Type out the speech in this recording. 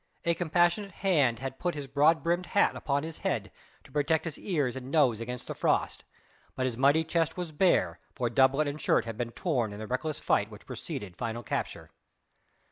A compassionate hand had put his broad brimmed hat upon his head, to protect his ears and nose against the frost, but his mighty chest was bare, for doublet and shirt had been torn in the reckless fight which preceded final capture.